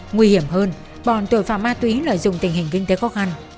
nguy hiểm hơn bọn tội phạm ma túy lợi dụng tình hình kinh tế khó khăn